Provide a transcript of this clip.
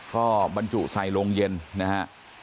ก็บรรจุใส่โรงเย็นนะฮะ